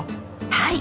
はい！